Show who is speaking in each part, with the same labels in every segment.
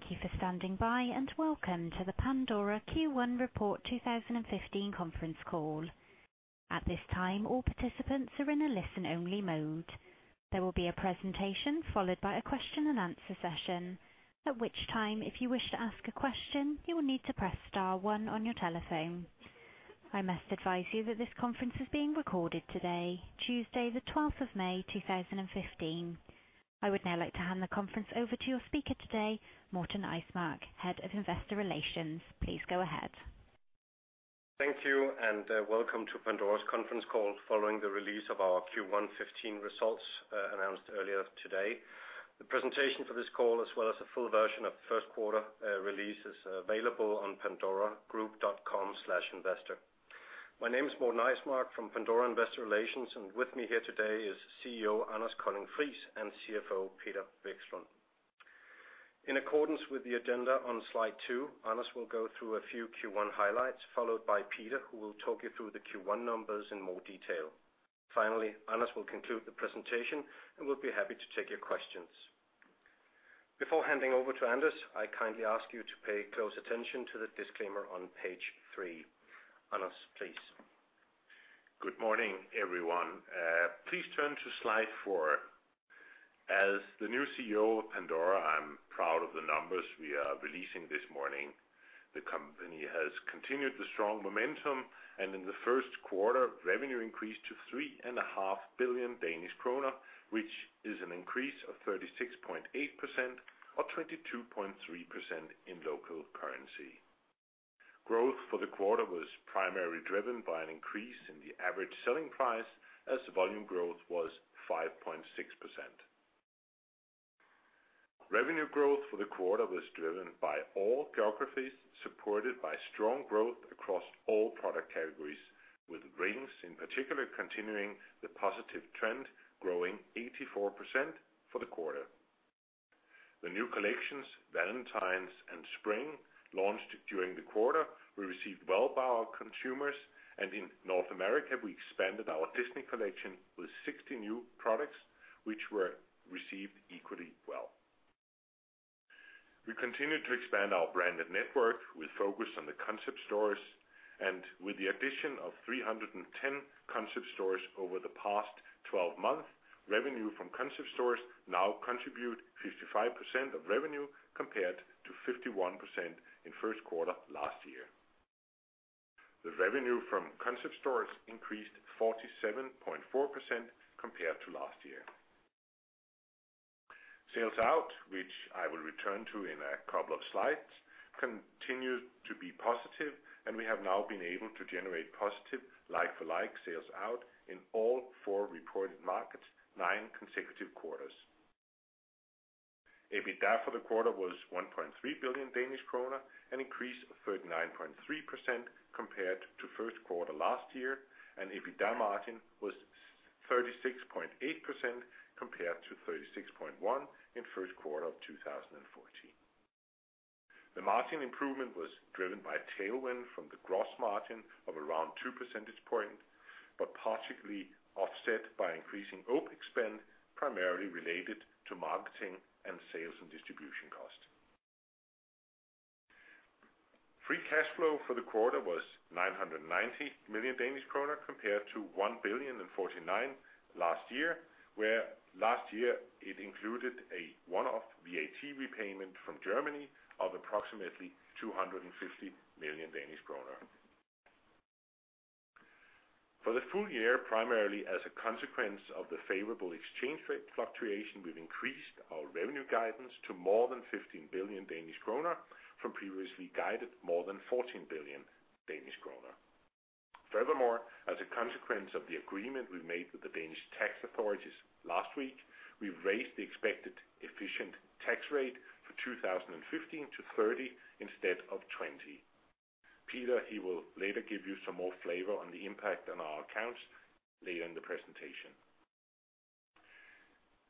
Speaker 1: Thank you for standing by, and welcome to the Pandora Q1 2015 Report conference call. At this time, all participants are in a listen-only mode. There will be a presentation followed by a question and answer session, at which time, if you wish to ask a question, you will need to press star one on your telephone. I must advise you that this conference is being recorded today, Tuesday, the 12th of May, 2015. I would now like to hand the conference over to your speaker today, Morten Eismark, Head of Investor Relations. Please go ahead.
Speaker 2: Thank you, and welcome to Pandora's conference call, following the release of our Q1 2015 results, announced earlier today. The presentation for this call, as well as a full version of the first quarter, release, is available on pandoragroup.com/investor. My name is Morten Eismark from Pandora Investor Relations, and with me here today is CEO Anders Colding-Friis and CFO Peter Vekslund. In accordance with the agenda on slide 2, Anders will go through a few Q1 highlights, followed by Peter, who will talk you through the Q1 numbers in more detail. Finally, Anders will conclude the presentation, and we'll be happy to take your questions. Before handing over to Anders, I kindly ask you to pay close attention to the disclaimer on page 3. Anders, please.
Speaker 3: Good morning, everyone. Please turn to slide four. As the new CEO of Pandora, I'm proud of the numbers we are releasing this morning. The company has continued the strong momentum, and in the first quarter, revenue increased to 3.5 billion Danish kroner, which is an increase of 36.8% or 22.3% in local currency. Growth for the quarter was primarily driven by an increase in the average selling price, as volume growth was 5.6%. Revenue growth for the quarter was driven by all geographies, supported by strong growth across all product categories, with rings in particular continuing the positive trend, growing 84% for the quarter. The new collections, Valentine's and Spring, launched during the quarter, were received well by our consumers, and in North America, we expanded our Disney Collection with 60 new products, which were received equally well. We continued to expand our branded network with focus on the concept stores and with the addition of 310 concept stores over the past 12 months. Revenue from concept stores now contribute 55% of revenue, compared to 51% in first quarter last year. The revenue from concept stores increased 47.4% compared to last year. sales-out, which I will return to in a couple of slides, continued to be positive, and we have now been able to generate positive like-for-like sales out in all four reported markets, nine consecutive quarters. EBITDA for the quarter was 1.3 billion Danish krone, an increase of 39.3% compared to first quarter last year, and EBITDA margin was 36.8% compared to 36.1% in first quarter of 2014. The margin improvement was driven by a tailwind from the gross margin of around two percentage points, but partially offset by increasing OpEx spend, primarily related to marketing and sales and distribution costs. Free cash flow for the quarter was 990 million Danish kroner, compared to 1,049 million last year, where last year it included a one-off VAT repayment from Germany of approximately 250 million Danish kroner. For the full year, primarily as a consequence of the favorable exchange rate fluctuation, we've increased our revenue guidance to more than 15 billion Danish kroner from previously guided more than 14 billion Danish kroner. Furthermore, as a consequence of the agreement we made with the Danish tax authorities last week, we've raised the expected efficient tax rate for 2015 to 30% instead of 20%. Peter, he will later give you some more flavor on the impact on our accounts later in the presentation.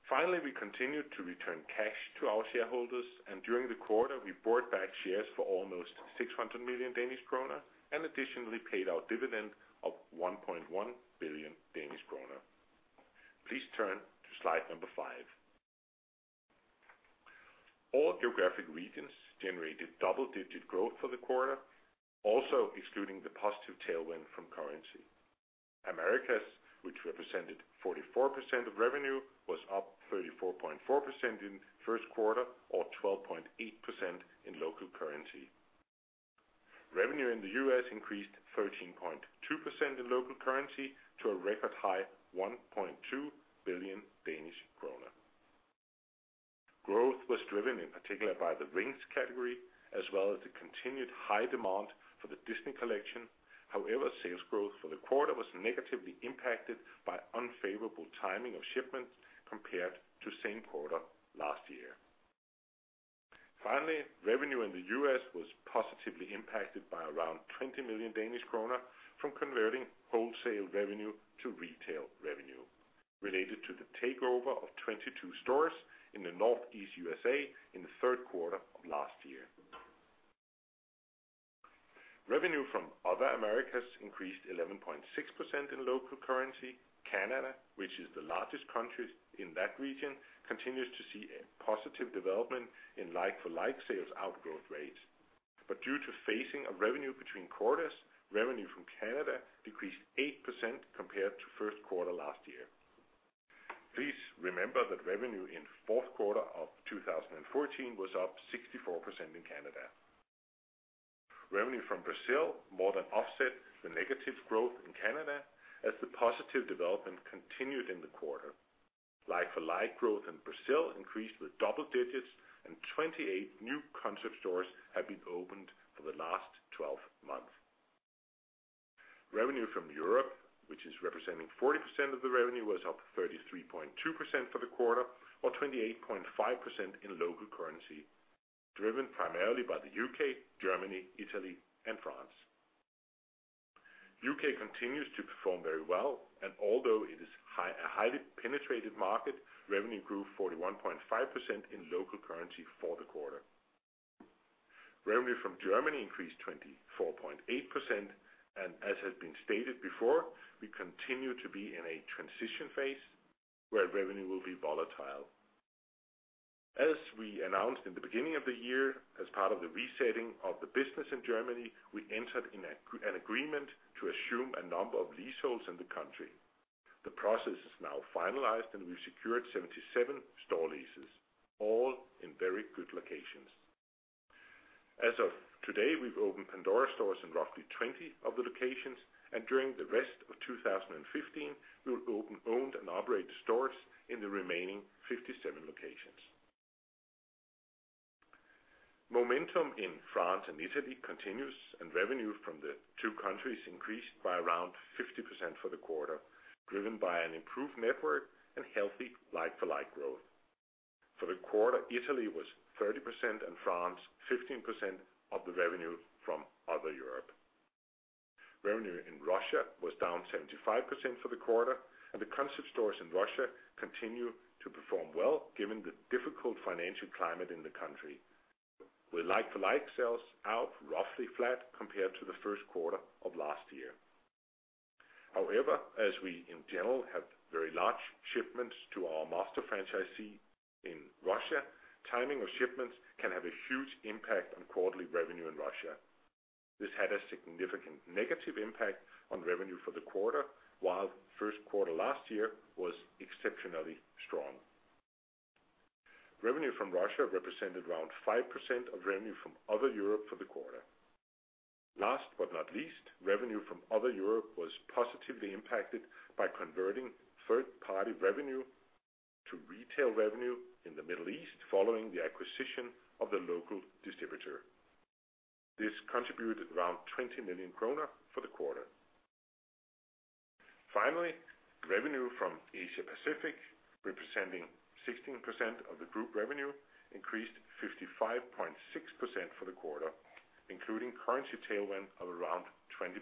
Speaker 3: Finally, we continued to return cash to our shareholders, and during the quarter, we bought back shares for almost 600 million Danish krone and additionally paid out dividend of 1.1 billion Danish krone. Please turn to slide number 5. All geographic regions generated double-digit growth for the quarter, also excluding the positive tailwind from currency. Americas, which represented 44% of revenue, was up 34.4% in the first quarter or 12.8% in local currency. Revenue in the US increased 13.2% in local currency to a record high 1.2 billion Danish kroner. Growth was driven in particular by the rings category, as well as the continued high demand for the Disney Collection. However, sales growth for the quarter was negatively impacted by unfavorable timing of shipments compared to same quarter last year. Finally, revenue in the US was positively impacted by around 20 million Danish kroner from converting wholesale revenue to retail revenue related to the takeover of 22 stores in the Northeast USA in the third quarter of last year. Revenue from other Americas increased 11.6% in local currency. Canada, which is the largest country in that region, continues to see a positive development in like-for-like sales-out growth rates. But due to phasing of revenue between quarters, revenue from Canada decreased 8% compared to first quarter last year. Please remember that revenue in fourth quarter of 2014 was up 64% in Canada. Revenue from Brazil more than offset the negative growth in Canada, as the positive development continued in the quarter. Like-for-like growth in Brazil increased with double digits, and 28 new concept stores have been opened for the last twelve months. Revenue from Europe, which is representing 40% of the revenue, was up 33.2% for the quarter, or 28.5% in local currency, driven primarily by the UK, Germany, Italy, and France. UK continues to perform very well, and although it is high, a highly penetrated market, revenue grew 41.5% in local currency for the quarter. Revenue from Germany increased 24.8%, and as has been stated before, we continue to be in a transition phase where revenue will be volatile. As we announced in the beginning of the year, as part of the resetting of the business in Germany, we entered an agreement to assume a number of leaseholds in the country. The process is now finalized, and we've secured 77 store leases, all in very good locations. As of today, we've opened Pandora stores in roughly 20 of the locations, and during the rest of 2015, we will open owned and operated stores in the remaining 57 locations. Momentum in France and Italy continues, and revenue from the two countries increased by around 50% for the quarter, driven by an improved network and healthy like-for-like growth. For the quarter, Italy was 30% and France, 15% of the revenue from other Europe. Revenue in Russia was down 75% for the quarter, and the concept stores in Russia continue to perform well given the difficult financial climate in the country, with like-for-like sales out roughly flat compared to the first quarter of last year. However, as we in general have very large shipments to our master franchisee in Russia, timing of shipments can have a huge impact on quarterly revenue in Russia. This had a significant negative impact on revenue for the quarter, while first quarter last year was exceptionally strong. Revenue from Russia represented around 5% of revenue from other Europe for the quarter. Last but not least, revenue from other Europe was positively impacted by converting third-party revenue to retail revenue in the Middle East, following the acquisition of the local distributor. This contributed around 20 million kroner for the quarter. Finally, revenue from Asia Pacific, representing 16% of the group revenue, increased 55.6% for the quarter, including currency tailwind of around 20%.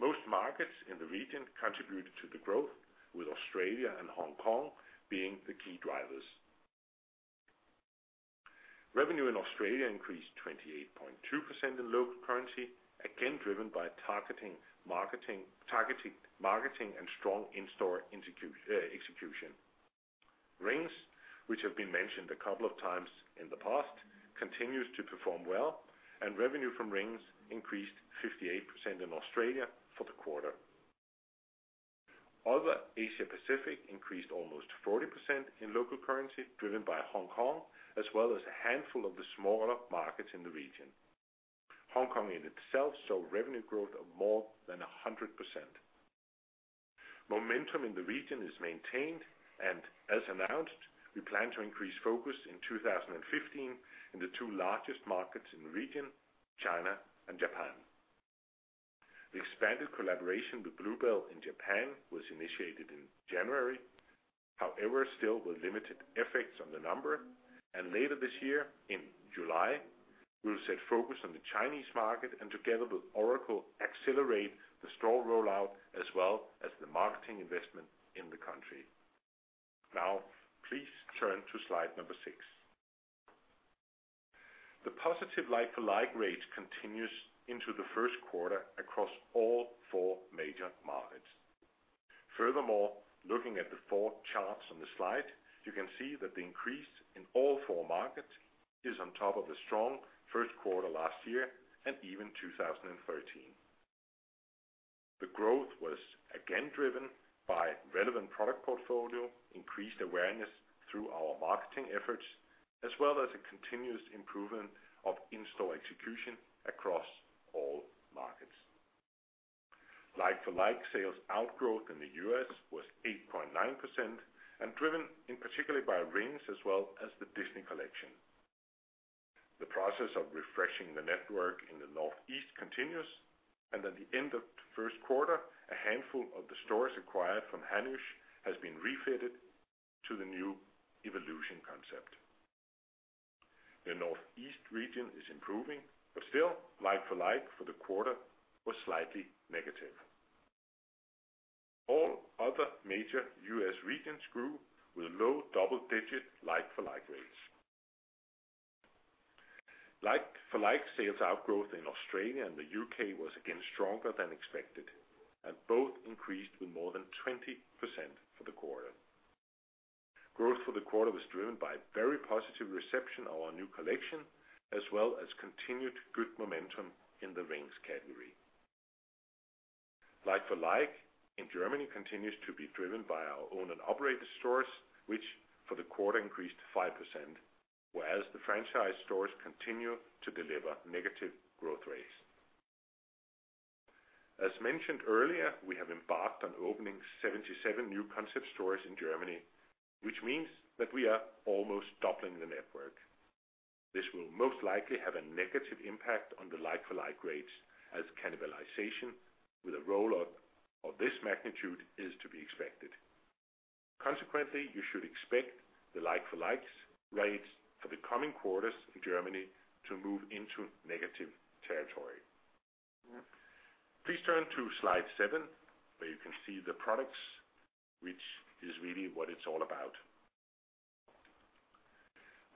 Speaker 3: Most markets in the region contributed to the growth, with Australia and Hong Kong being the key drivers. Revenue in Australia increased 28.2% in local currency, again, driven by targeting, marketing, targeting, marketing, and strong in-store execution. Rings, which have been mentioned a couple of times in the past, continues to perform well, and revenue from rings increased 58% in Australia for the quarter. Other Asia Pacific increased almost 40% in local currency, driven by Hong Kong, as well as a handful of the smaller markets in the region. Hong Kong in itself saw revenue growth of more than 100%. Momentum in the region is maintained, and as announced, we plan to increase focus in 2015 in the two largest markets in the region, China and Japan. The expanded collaboration with Bluebell in Japan was initiated in January, however, still with limited effects on the number, and later this year, in July, we'll set focus on the Chinese market and together with Oracle, accelerate the store rollout as well as the marketing investment in the country. Now, please turn to slide number 6. The positive like-for-like rate continues into the first quarter across all four major markets. Furthermore, looking at the four charts on the slide, you can see that the increase in all four markets is on top of the strong first quarter last year and even 2013. The growth was again driven by relevant product portfolio, increased awareness through our marketing efforts, as well as a continuous improvement of in-store execution across all markets. Like-for-like sales growth in the US was 8.9% and driven in particular by rings as well as the Disney Collection. The process of refreshing the network in the Northeast continues, and at the end of the first quarter, a handful of the stores acquired from Hannoush has been refitted to the new Evolution Concept. The Northeast region is improving, but still, like-for-like for the quarter was slightly negative... All other major US regions grew with low double-digit like-for-like rates. Like-for-like sales growth in Australia and the UK was again stronger than expected, and both increased with more than 20% for the quarter. Growth for the quarter was driven by very positive reception of our new collection, as well as continued good momentum in the rings category. Like-for-like in Germany continues to be driven by our owned and operated stores, which for the quarter increased 5%, whereas the franchise stores continue to deliver negative growth rates. As mentioned earlier, we have embarked on opening 77 new concept stores in Germany, which means that we are almost doubling the network. This will most likely have a negative impact on the like-for-like rates, as cannibalization with a roll out of this magnitude is to be expected. Consequently, you should expect the like-for-likes rates for the coming quarters in Germany to move into negative territory. Please turn to slide 7, where you can see the products, which is really what it's all about.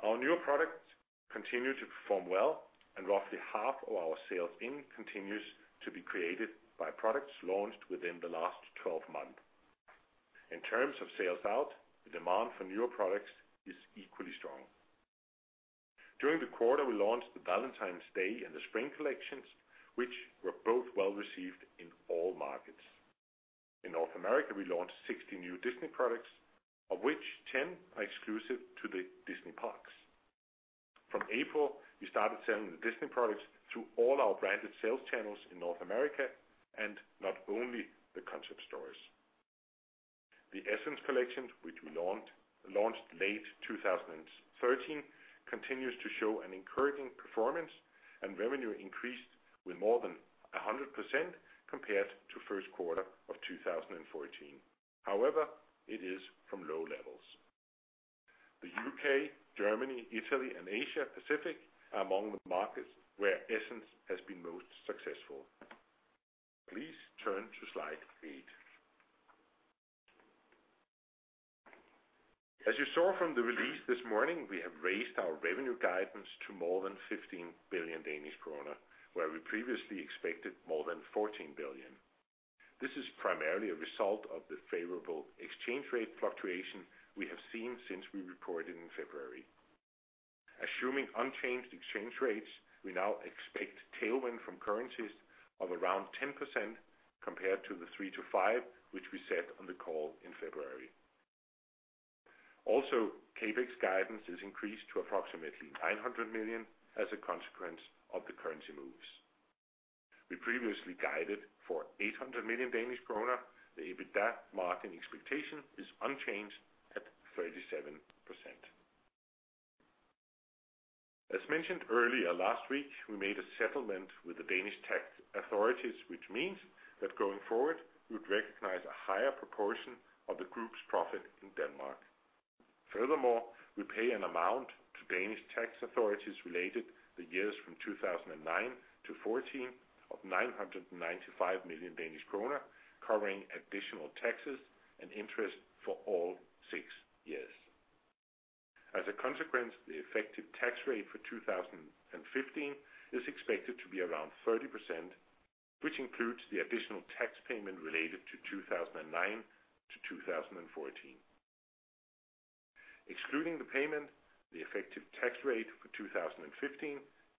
Speaker 3: Our newer products continue to perform well, and roughly half of our sales-in continues to be created by products launched within the last 12 months. In terms of sales out, the demand for newer products is equally strong. During the quarter, we launched the Valentine's Collection and the Spring Collection, which were both well-received in all markets. In North America, we launched 60 new Disney products, of which 10 are exclusive to the Disney Parks. From April, we started selling the Disney products to all our branded sales channels in North America, and not only the concept stores. The Essence Collection, which we launched, launched late 2013, continues to show an encouraging performance, and revenue increased with more than 100% compared to first quarter of 2014. However, it is from low levels. The U.K., Germany, Italy, and Asia Pacific are among the markets where Essence has been most successful. Please turn to slide 8. As you saw from the release this morning, we have raised our revenue guidance to more than 15 billion Danish krone, where we previously expected more than 14 billion. This is primarily a result of the favorable exchange rate fluctuation we have seen since we reported in February. Assuming unchanged exchange rates, we now expect tailwind from currencies of around 10% compared to the 3%-5%, which we set on the call in February. Also, CapEx guidance is increased to approximately 900 million as a consequence of the currency moves. We previously guided for 800 million Danish kroner. The EBITDA margin expectation is unchanged at 37%. As mentioned earlier last week, we made a settlement with the Danish tax authorities, which means that going forward, we'd recognize a higher proportion of the group's profit in Denmark. Furthermore, we pay an amount to Danish tax authorities related to the years from 2009 to 2014 of 995 million Danish kroner, covering additional taxes and interest for all six years. As a consequence, the effective tax rate for 2015 is expected to be around 30%, which includes the additional tax payment related to 2009 to 2014. Excluding the payment, the effective tax rate for 2015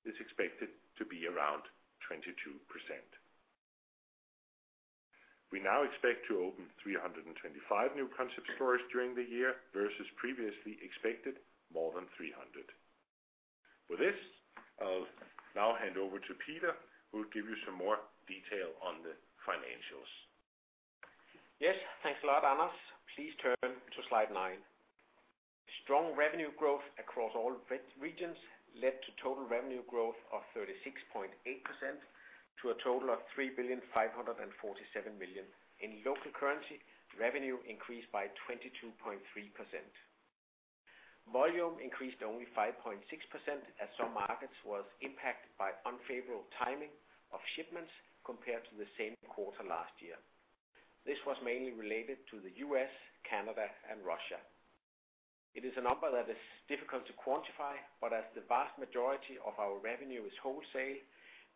Speaker 3: is expected to be around 22%. We now expect to open 325 new Concept stores during the year, versus previously expected more than 300. With this, I'll now hand over to Peter, who will give you some more detail on the financials.
Speaker 4: Yes, thanks a lot, Anders. Please turn to slide 9. Strong revenue growth across all regions led to total revenue growth of 36.8% to a total of 3,547 million. In local currency, revenue increased by 22.3%. Volume increased only 5.6%, as some markets was impacted by unfavorable timing of shipments compared to the same quarter last year. This was mainly related to the U.S., Canada, and Russia. It is a number that is difficult to quantify, but as the vast majority of our revenue is wholesale,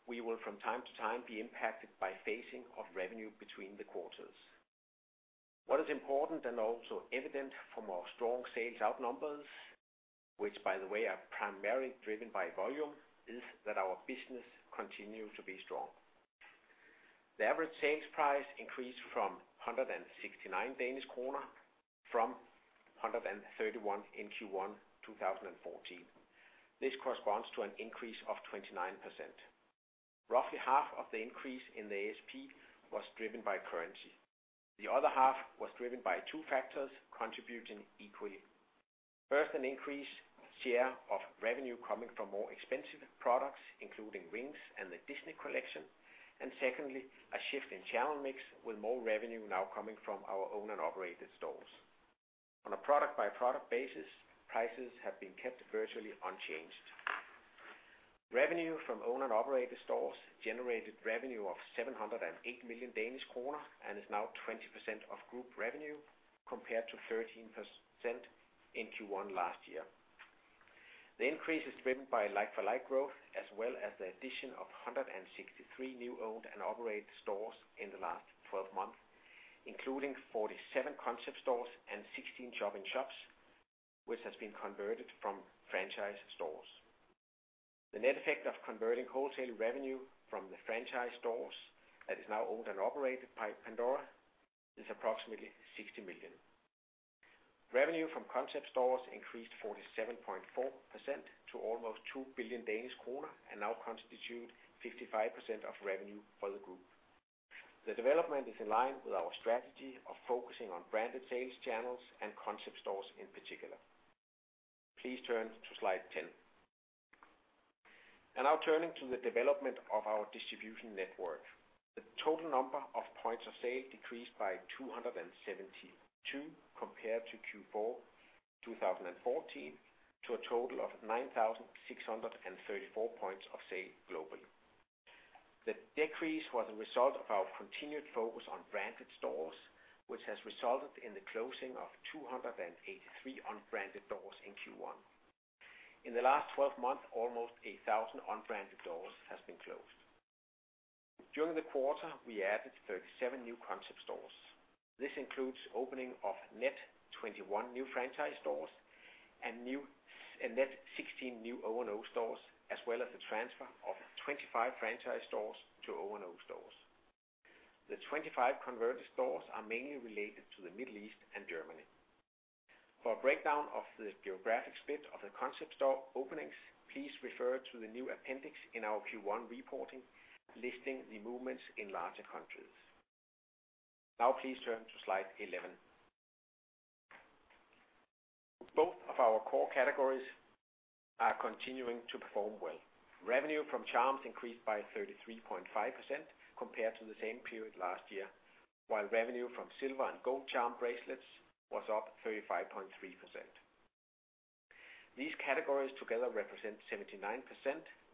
Speaker 4: we will from time to time, be impacted by phasing of revenue between the quarters. What is important and also evident from our strong sales out numbers, which by the way, are primarily driven by volume, is that our business continues to be strong. The average sales price increased from 169 Danish kroner, from 131 in Q1 2014. This corresponds to an increase of 29%. Roughly half of the increase in the ASP was driven by currency. The other half was driven by two factors contributing equally. First, an increased share of revenue coming from more expensive products, including rings and the Disney Collection. And secondly, a shift in channel mix, with more revenue now coming from our owned and operated stores. On a product-by-product basis, prices have been kept virtually unchanged. Revenue from owned and operated stores generated revenue of 708 million Danish kroner, and is now 20% of group revenue, compared to 13% in Q1 last year. The increase is driven by like-for-like growth, as well as the addition of 163 new owned and operated stores in the last 12 months, including 47 concept stores and 16 shop-in-shops, which has been converted from franchise stores. The net effect of converting wholesale revenue from the franchise stores that is now owned and operated by Pandora is approximately 60 million. Revenue from concept stores increased 47.4% to almost 2 billion Danish kroner, and now constitute 55% of revenue for the group. The development is in line with our strategy of focusing on branded sales channels and concept stores in particular. Please turn to slide 10. And now turning to the development of our distribution network. The total number of points of sale decreased by 272 compared to Q4 2014, to a total of 9,634 points of sale globally. The decrease was a result of our continued focus on branded stores, which has resulted in the closing of 283 unbranded stores in Q1. In the last twelve months, almost 1,000 unbranded stores has been closed. During the quarter, we added 37 new concept stores. This includes opening of net 21 new franchise stores and net 16 new O&O stores, as well as the transfer of 25 franchise stores to O&O stores. The 25 converted stores are mainly related to the Middle East and Germany. For a breakdown of the geographic split of the concept store openings, please refer to the new appendix in our Q1 reporting, listing the movements in larger countries. Now, please turn to slide 11. Both of our core categories are continuing to perform well. Revenue from charms increased by 33.5% compared to the same period last year, while revenue from silver and gold charm bracelets was up 35.3%. These categories together represent 79%,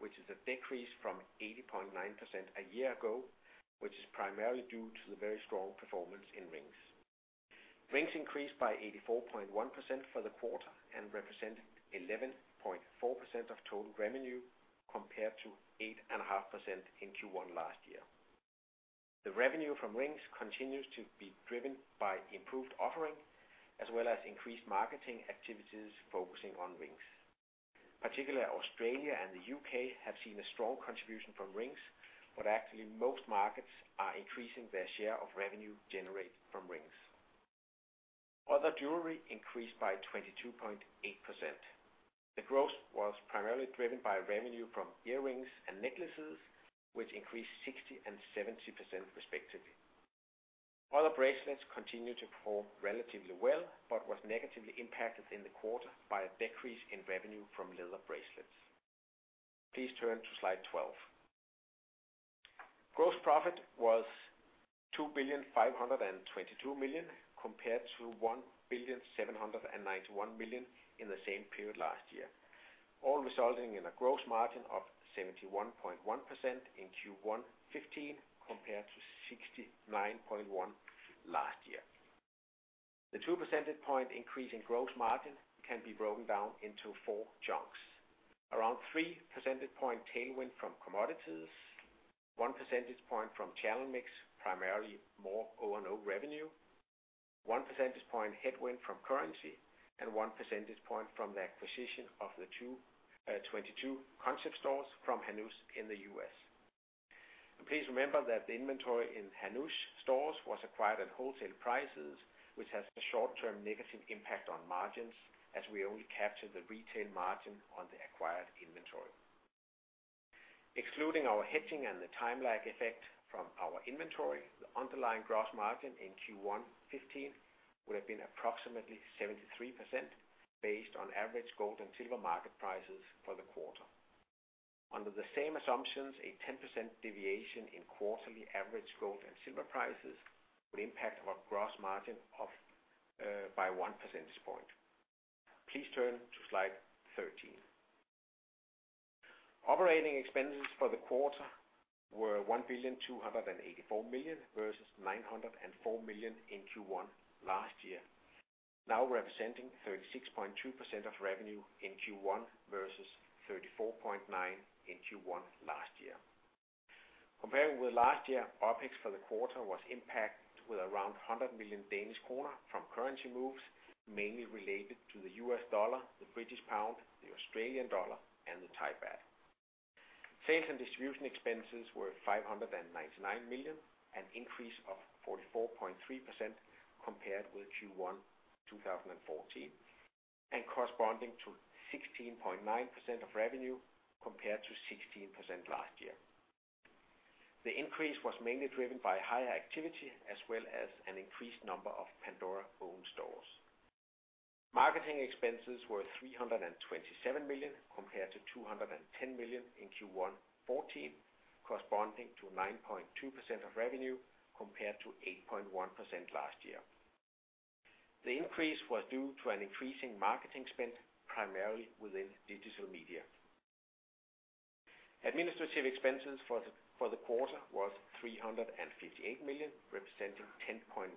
Speaker 4: which is a decrease from 80.9% a year ago, which is primarily due to the very strong performance in rings. Rings increased by 84.1% for the quarter and represent 11.4% of total revenue, compared to 8.5% in Q1 last year. The revenue from rings continues to be driven by improved offering, as well as increased marketing activities focusing on rings. Particularly Australia and the UK have seen a strong contribution from rings, but actually, most markets are increasing their share of revenue generated from rings. Other jewelry increased by 22.8%. The growth was primarily driven by revenue from earrings and necklaces, which increased 60% and 70% respectively. Other bracelets continued to perform relatively well, but was negatively impacted in the quarter by a decrease in revenue from leather bracelets. Please turn to slide 12. Gross profit was 2,522 million, compared to 1,791 million in the same period last year, all resulting in a gross margin of 71.1% in Q1 2015, compared to 69.1% last year. The 2 percentage point increase in gross margin can be broken down into four chunks. Around 3 percentage point tailwind from commodities, 1 percentage point from channel mix, primarily more O&O revenue, 1 percentage point headwind from currency, and 1 percentage point from the acquisition of the 22 concept stores from Hannoush in the US. Please remember that the inventory in Hannoush stores was acquired at wholesale prices, which has a short-term negative impact on margins, as we only capture the retail margin on the acquired inventory. Excluding our hedging and the time lag effect from our inventory, the underlying gross margin in Q1 2015 would have been approximately 73%, based on average gold and silver market prices for the quarter. Under the same assumptions, a 10% deviation in quarterly average gold and silver prices would impact our gross margin of by 1 percentage point. Please turn to slide 13. Operating expenses for the quarter were 1,284 million, versus 904 million in Q1 last year, now representing 36.2% of revenue in Q1, versus 34.9% in Q1 last year. Comparing with last year, OpEx for the quarter was impacted with around 100 million Danish kroner from currency moves, mainly related to the U.S. dollar, the British pound, the Australian dollar, and the Thai baht. Sales and distribution expenses were 599 million, an increase of 44.3% compared with Q1, 2014, and corresponding to 16.9% of revenue, compared to 16% last year. The increase was mainly driven by higher activity, as well as an increased number of Pandora-owned stores. Marketing expenses were 327 million, compared to 210 million in Q1 2014, corresponding to 9.2% of revenue, compared to 8.1% last year. The increase was due to an increasing marketing spend, primarily within digital media. Administrative expenses for the quarter was 358 million, representing 10.1%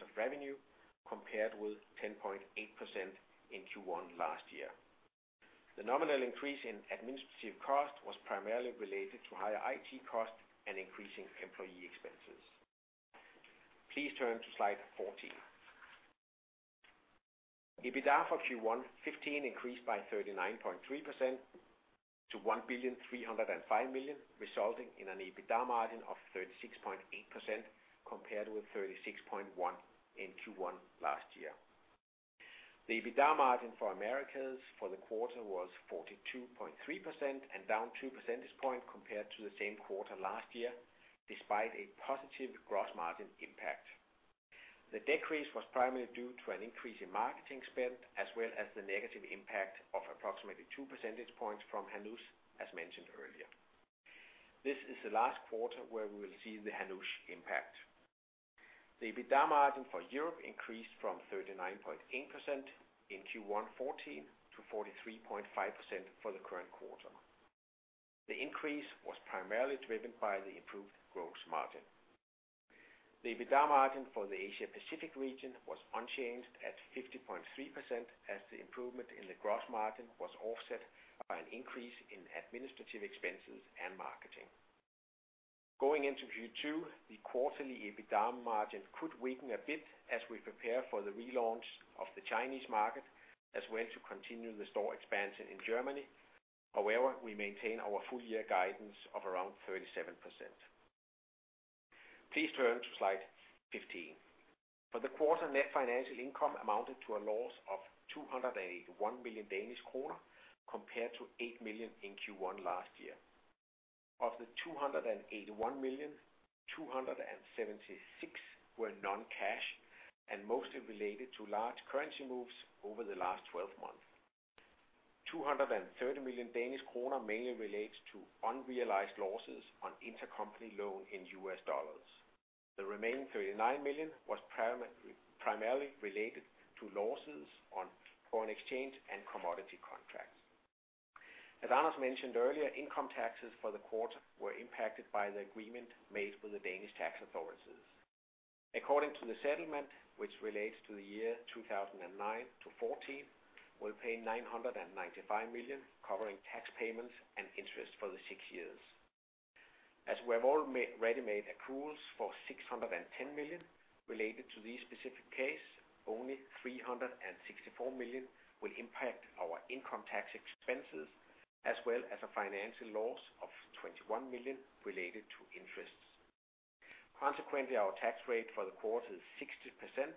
Speaker 4: of revenue, compared with 10.8% in Q1 last year. The nominal increase in administrative cost was primarily related to higher IT costs and increasing employee expenses. Please turn to slide 14. EBITDA for Q1 2015 increased by 39.3% to 1,305 million, resulting in an EBITDA margin of 36.8% compared with 36.1% in Q1 last year. The EBITDA margin for Americas for the quarter was 42.3% and down two percentage points compared to the same quarter last year, despite a positive gross margin impact. The decrease was primarily due to an increase in marketing spend, as well as the negative impact of approximately two percentage points from Hannoush, as mentioned earlier. This is the last quarter where we will see the Hannoush impact. The EBITDA margin for Europe increased from 39.8% in Q1 2014 to 43.5% for the current quarter. The increase was primarily driven by the improved gross margin. The EBITDA margin for the Asia Pacific region was unchanged at 50.3%, as the improvement in the gross margin was offset by an increase in administrative expenses and marketing. Going into Q2, the quarterly EBITDA margin could weaken a bit as we prepare for the relaunch of the Chinese market, as well to continue the store expansion in Germany. However, we maintain our full year guidance of around 37%. Please turn to slide 15. For the quarter, net financial income amounted to a loss of 281 million Danish kroner, compared to 8 million in Q1 last year. Of the 281 million, 276 were non-cash, and mostly related to large currency moves over the last twelve months. 230 million Danish kroner mainly relates to unrealized losses on intercompany loan in U.S. dollars. The remaining 39 million was primarily related to losses on foreign exchange and commodity contracts. As Anders mentioned earlier, income taxes for the quarter were impacted by the agreement made with the Danish tax authorities. According to the settlement, which relates to the years 2009-2014, we'll pay 995 million, covering tax payments and interest for the six years. As we have already made accruals for 610 million related to this specific case, only 364 million will impact our income tax expenses, as well as a financial loss of 21 million related to interests. Consequently, our tax rate for the quarter is 60%,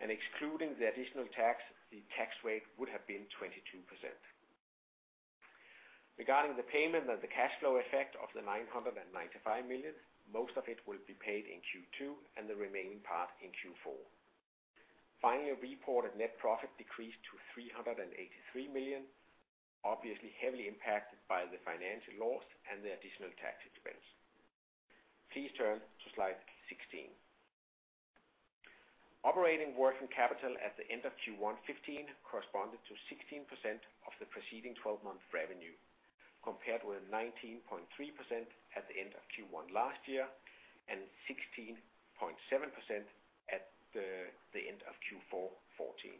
Speaker 4: and excluding the additional tax, the tax rate would have been 22%. Regarding the payment and the cash flow effect of the 995 million, most of it will be paid in Q2 and the remaining part in Q4. Finally, a reported net profit decreased to 383 million, obviously heavily impacted by the financial loss and the additional tax expense. Please turn to slide 16. Operating working capital at the end of Q1 2015 corresponded to 16% of the preceding twelve-month revenue, compared with 19.3% at the end of Q1 last year, and 16.7% at the end of Q4 2014.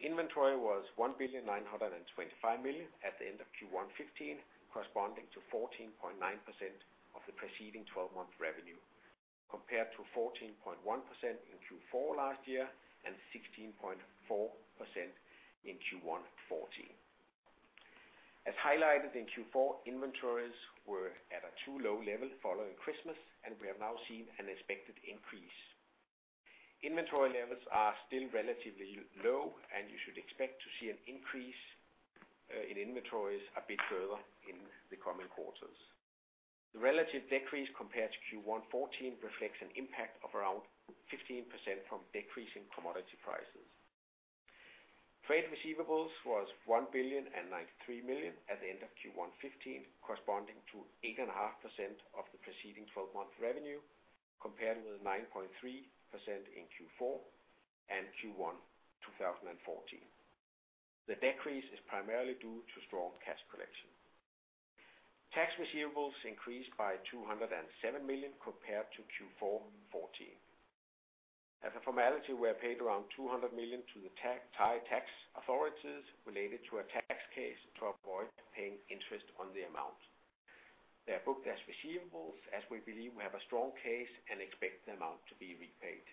Speaker 4: Inventory was 1,925 million at the end of Q1 2015, corresponding to 14.9% of the preceding twelve-month revenue, compared to 14.1% in Q4 last year, and 16.4% in Q1 2014. As highlighted in Q4, inventories were at a too low level following Christmas, and we have now seen an expected increase. Inventory levels are still relatively low, and you should expect to see an increase in inventories a bit further in the coming quarters. The relative decrease compared to Q1 2014 reflects an impact of around 15% from decrease in commodity prices. Trade receivables was 1,093 million at the end of Q1 2015, corresponding to 8.5% of the preceding 12-month revenue, compared with 9.3% in Q4 2014 and Q1 2014. The decrease is primarily due to strong cash collection. Tax receivables increased by 207 million compared to Q4 2014. As a formality, we have paid around 200 million to the Thai tax authorities related to a tax case to avoid paying interest on the amount. They are booked as receivables, as we believe we have a strong case and expect the amount to be repaid.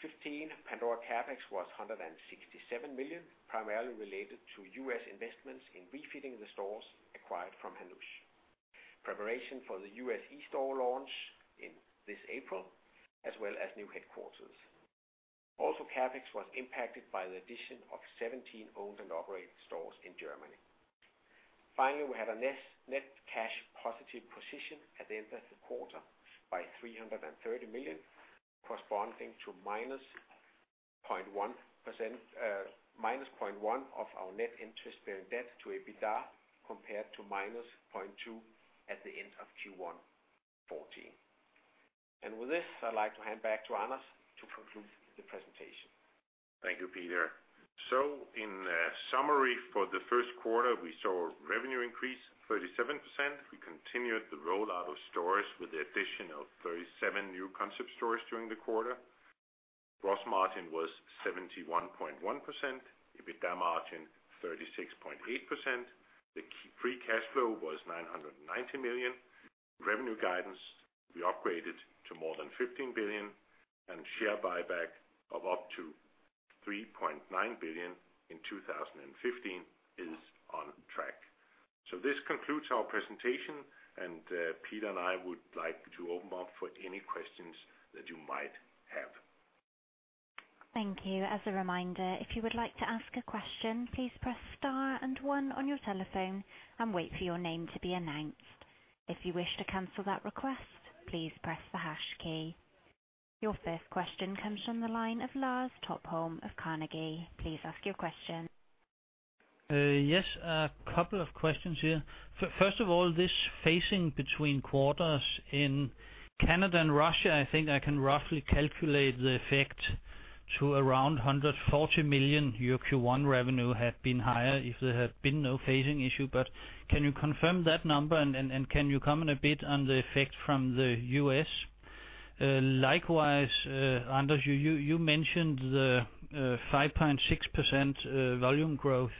Speaker 4: In Q1 2015, Pandora CapEx was 167 million, primarily related to US investments in refitting the stores acquired from Hannoush. Preparation for the US e-store launch in this April, as well as new headquarters. Also, CapEx was impacted by the addition of 17 owned and operated stores in Germany. Finally, we had a net cash positive position at the end of the quarter by 330 million, corresponding to minus point one percent, minus point one of our net interest-bearing debt to EBITDA compared to minus point two at the end of Q1 2014. With this, I'd like to hand back to Anders to conclude the presentation.
Speaker 3: Thank you, Peter. So in summary, for the first quarter, we saw revenue increase 37%. We continued the rollout of stores with the addition of 37 new concept stores during the quarter. Gross margin was 71.1%, EBITDA margin 36.8%. The free cash flow was 990 million. Revenue guidance, we upgraded to more than 15 billion, and share buyback of up to 3.9 billion in 2015 is on track. So this concludes our presentation, and Peter and I would like to open up for any questions that you might have.
Speaker 1: Thank you. As a reminder, if you would like to ask a question, please press star and one on your telephone and wait for your name to be announced. If you wish to cancel that request, please press the hash key. Your first question comes from the line of Lars Topholm of Carnegie. Please ask your question.
Speaker 5: Yes, a couple of questions here. First of all, this phasing between quarters in Canada and Russia, I think I can roughly calculate the effect to around 140 million your Q1 revenue had been higher if there had been no phasing issue. But can you confirm that number, and can you comment a bit on the effect from the US? Likewise, Anders, you mentioned the 5.6% volume growth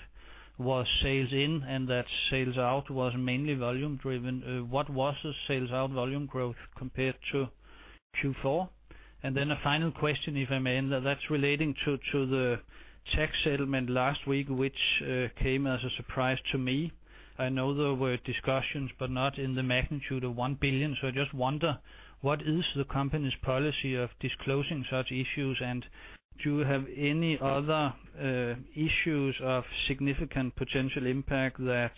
Speaker 5: was Sales In, and that Sales Out was mainly volume driven. What was the Sales Out volume growth compared to Q4? And then a final question, if I may, and that's relating to the tax settlement last week, which came as a surprise to me. I know there were discussions, but not in the magnitude of 1 billion. So I just wonder, what is the company's policy of disclosing such issues? And do you have any other issues of significant potential impact that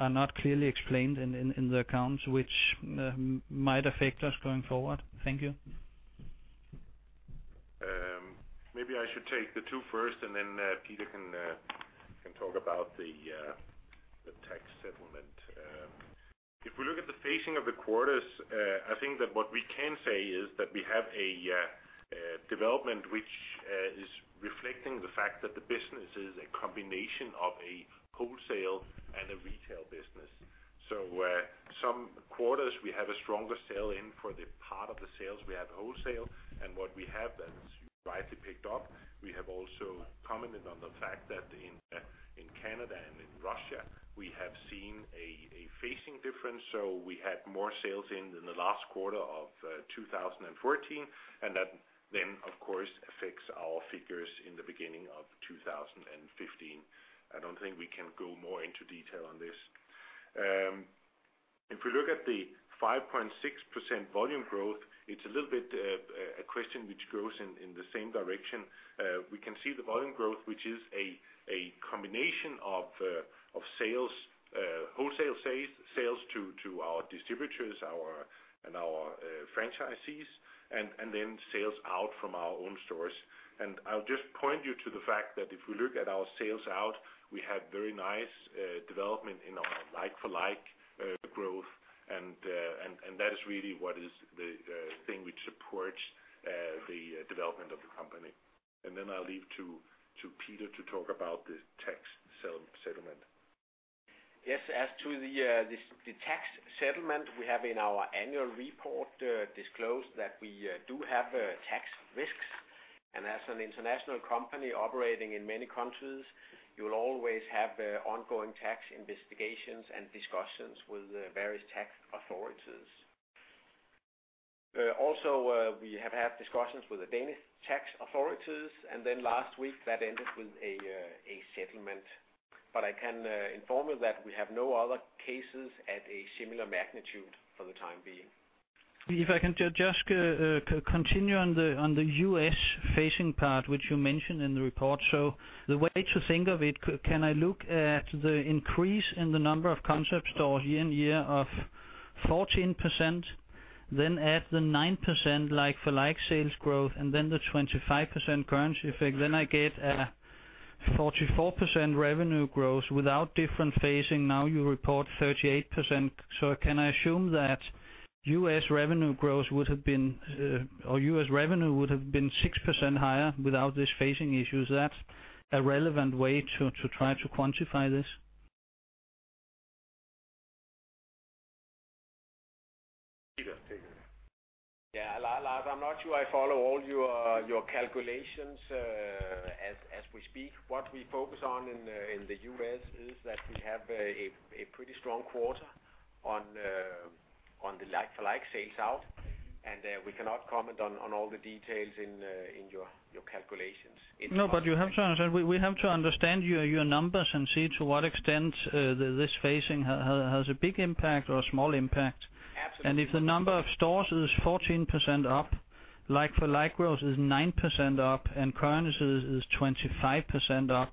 Speaker 5: are not clearly explained in the accounts which might affect us going forward? Thank you.
Speaker 3: Maybe I should take the two first, and then Peter can talk about the tax settlement. If we look at the phasing of the quarters, I think that what we can say is that we have a development which is reflecting the fact that the business is a combination of a wholesale and a retail business. So, some quarters, we have a stronger sales in for the part of the sales we have wholesale, and what we have, that's rightly picked up, we have also commented on the fact that in Canada and in Russia, we have seen a phasing difference. So we had more sales in the last quarter of 2014, and that then, of course, affects our figures in the beginning of 2015. I don't think we can go more into detail on this. If we look at the 5.6% volume growth, it's a little bit a question which goes in the same direction. We can see the volume growth, which is a combination of sales, wholesale sales to our distributors and our franchisees, and then sales out from our own stores. I'll just point you to the fact that if we look at our sales out, we have very nice development in our like-for-like growth and that is really what is the thing which supports the development of the company. Then I'll leave to Peter to talk about the tax settlement.
Speaker 4: Yes, as to the tax settlement, we have in our annual report disclosed that we do have tax risks. As an international company operating in many countries, you will always have ongoing tax investigations and discussions with the various tax authorities. Also, we have had discussions with the Danish tax authorities, and then last week, that ended with a settlement. But I can inform you that we have no other cases at a similar magnitude for the time being.
Speaker 5: If I can just continue on the US phasing part, which you mentioned in the report. So the way to think of it, can I look at the increase in the number of concept stores year-on-year of 14%, then add the 9% like-for-like sales growth, and then the 25% currency effect, then I get a 44% revenue growth without different phasing. Now you report 38%. So can I assume that US revenue growth would have been, or US revenue would have been 6% higher without this phasing issue? Is that a relevant way to try to quantify this?
Speaker 3: Peter, take it.
Speaker 4: Yeah, Lars, I'm not sure I follow all your calculations as we speak. What we focus on in the US is that we have a pretty strong quarter on the like-for-like sales out, and we cannot comment on all the details in your calculations.
Speaker 5: No, but you have to understand, we have to understand your numbers and see to what extent this phasing has a big impact or a small impact.
Speaker 4: Absolutely.
Speaker 5: And if the number of stores is 14% up, like-for-like growth is 9% up, and currency is 25% up,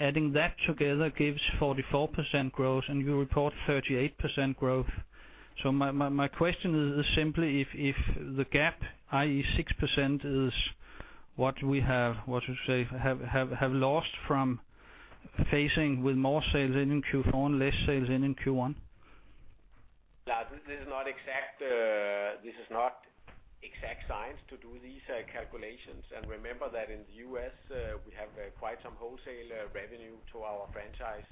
Speaker 5: adding that together gives 44% growth, and you report 38% growth. So my question is simply if the gap, i.e., 6%, is what you say we have lost from phasing with more sales in Q4 and less sales in Q1?
Speaker 4: Yeah, this is not exact, this is not exact science to do these calculations. Remember that in the US, we have quite some wholesale revenue to our franchise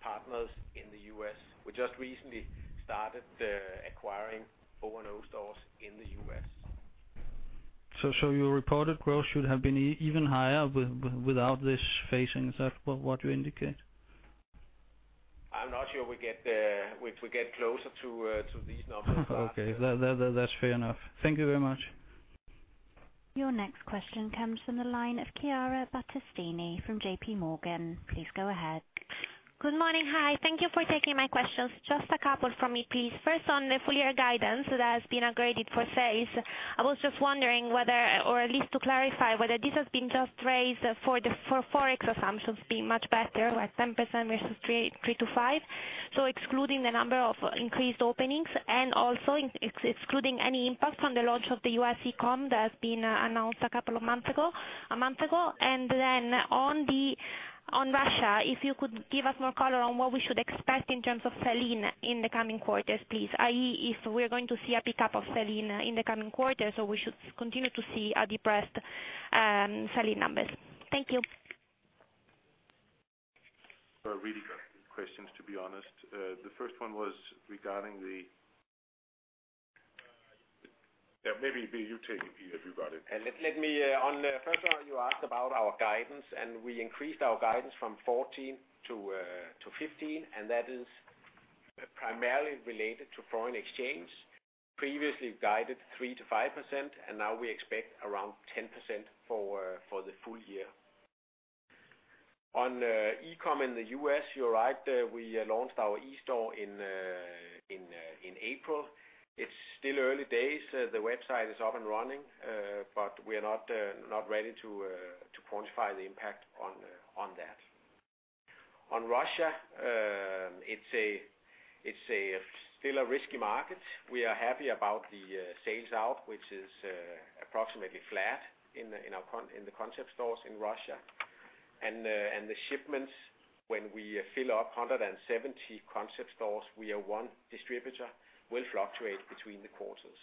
Speaker 4: partners in the US. We just recently started acquiring O&O stores in the US.
Speaker 5: So, your reported growth should have been even higher without this phasing, is that what you indicate?
Speaker 4: I'm not sure we get the, if we get closer to, to these numbers.
Speaker 5: Okay, that's fair enough. Thank you very much.
Speaker 1: Your next question comes from the line of Chiara Battistini from J.P. Morgan. Please go ahead.
Speaker 6: Good morning. Hi, thank you for taking my questions. Just a couple from me, please. First, on the full year guidance that has been upgraded for phase, I was just wondering whether, or at least to clarify, whether this has been just raised for the, for Forex assumptions being much better, like 10% versus 3, 3-5? So excluding the number of increased openings, and also excluding any impact on the launch of the US e-com that has been announced a couple of months ago, a month ago. And then on the, on Russia, if you could give us more color on what we should expect in terms of selling in the coming quarters, please, i.e., if we're going to see a pickup of selling in the coming quarters, or we should continue to see a depressed, selling numbers? Thank you.
Speaker 3: Really good questions, to be honest. The first one was regarding the... Maybe, maybe you take it, Peter, you got it.
Speaker 4: Let me first of all, you asked about our guidance, and we increased our guidance from 14 to 15, and that is primarily related to foreign exchange. Previously guided 3%-5%, and now we expect around 10% for the full year. On e-com in the U.S., you're right, we launched our e-store in April. It's still early days. The website is up and running, but we are not ready to quantify the impact on that. On Russia, it's still a risky market. We are happy about the sales out, which is approximately flat in our concept stores in Russia. The shipments, when we fill up 170 Concept Stores we own one distributor, will fluctuate between the quarters.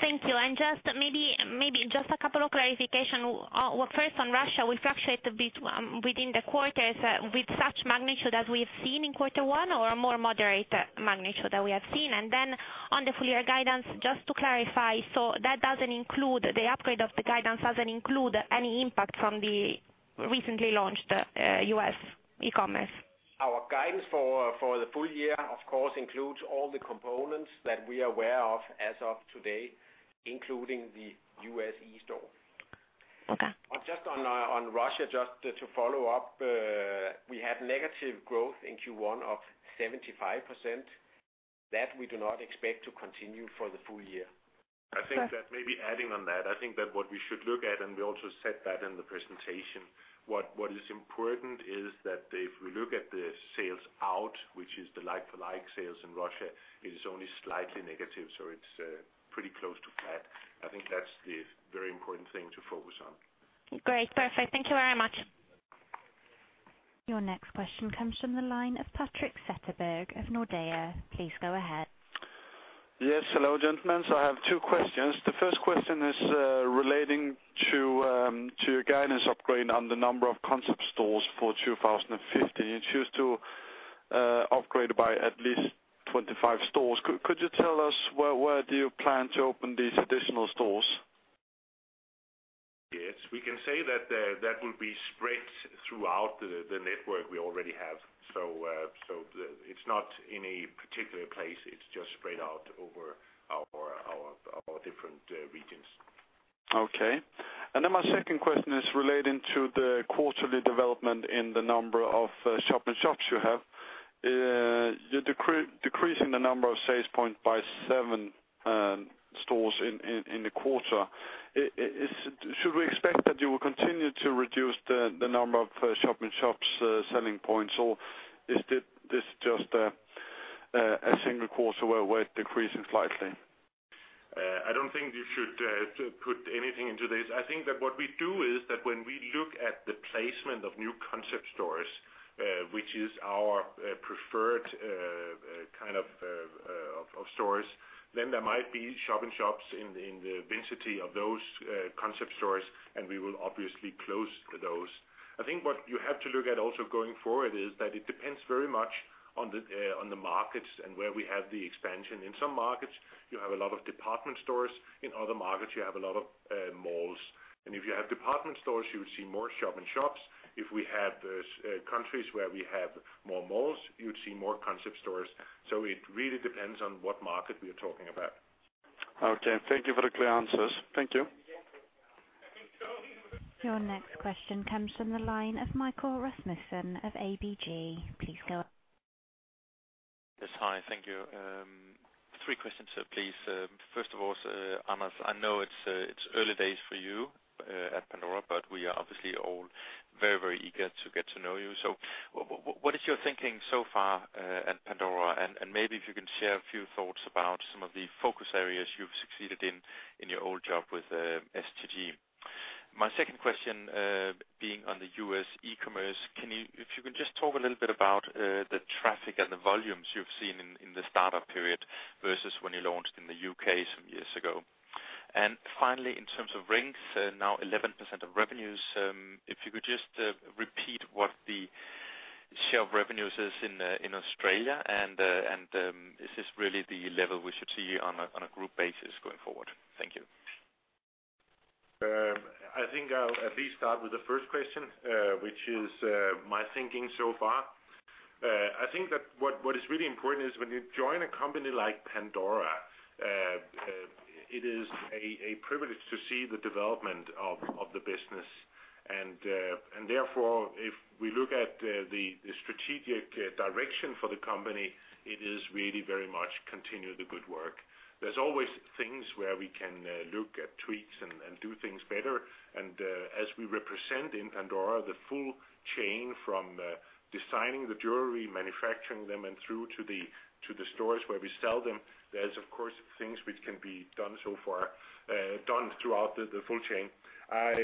Speaker 6: Thank you. Just maybe, maybe just a couple of clarification. Well, first on Russia, will fluctuate within the quarters with such magnitude as we've seen in quarter one, or a more moderate magnitude than we have seen? And then on the full year guidance, just to clarify, so that doesn't include, the upgrade of the guidance doesn't include any impact from the recently launched U.S. e-commerce?
Speaker 4: Our guidance for the full year, of course, includes all the components that we are aware of as of today, including the U.S. e-store.
Speaker 6: Okay.
Speaker 4: Just on, on Russia, just to follow up, we had negative growth in Q1 of 75%. That we do not expect to continue for the full year.
Speaker 3: I think that maybe adding on that, I think that what we should look at, and we also said that in the presentation, what is important is that if we look at the sales out, which is the like-for-like sales in Russia, it is only slightly negative, so it's pretty close to flat. I think that's the very important thing to focus on.
Speaker 6: Great, perfect. Thank you very much.
Speaker 1: Your next question comes from the line of Patrik Setterberg of Nordea. Please go ahead.
Speaker 7: Yes, hello, gentlemen. So I have two questions. The first question is relating to your guidance upgrade on the number of Concept stores for 2015. You choose to upgrade by at least 25 stores. Could you tell us where do you plan to open these additional stores?
Speaker 3: Yes, we can say that, that will be spread throughout the network we already have. So, it's not any particular place, it's just spread out over our different regions.
Speaker 7: Okay. And then my second question is relating to the quarterly development in the number of shop-in-shops you have. You're decreasing the number of sales points by 7 stores in the quarter. Should we expect that you will continue to reduce the number of shop-in-shops selling points, or is this just a single quarter where we're decreasing slightly?
Speaker 3: I don't think you should put anything into this. I think that what we do is that when we look at the placement of new concept stores, which is our preferred kind of stores, then there might be shop-in-shops in the vicinity of those concept stores, and we will obviously close those. I think what you have to look at also going forward is that it depends very much on the markets and where we have the expansion. In some markets, you have a lot of department stores, in other markets you have a lot of malls. If you have department stores, you would see more shop-in-shops. If we have countries where we have more malls, you'd see more concept stores. It really depends on what market we are talking about.
Speaker 7: Okay, thank you for the clear answers. Thank you.
Speaker 1: Your next question comes from the line of Michael Rasmussen of ABG. Please go ahead.
Speaker 8: Yes, hi. Thank you. Three questions, please. First of all, Anders, I know it's early days for you at Pandora, but we are obviously all very, very eager to get to know you. So what is your thinking so far at Pandora? And maybe if you can share a few thoughts about some of the focus areas you've succeeded in, in your old job with STG? ...My second question, being on the U.S. e-commerce, can you, if you can just talk a little bit about the traffic and the volumes you've seen in the startup period versus when you launched in the U.K. some years ago? And finally, in terms of rings, now 11% of revenues, if you could just repeat what the share of revenues is in Australia, and is this really the level we should see on a group basis going forward? Thank you.
Speaker 3: I think I'll at least start with the first question, which is, my thinking so far. I think that what is really important is when you join a company like Pandora, it is a privilege to see the development of the business. And therefore, if we look at the strategic direction for the company, it is really very much continue the good work. There's always things where we can look at tweaks and do things better. And as we represent in Pandora, the full chain from designing the jewelry, manufacturing them, and through to the stores where we sell them, there's of course things which can be done so far, done throughout the full chain. I